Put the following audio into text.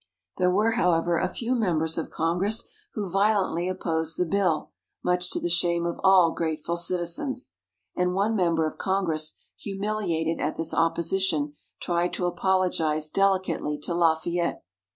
There were, however, a few members of Congress who violently opposed the bill, much to the shame of all grateful citizens. And one member of Congress, humiliated at this opposition, tried to apologize delicately to Lafayette.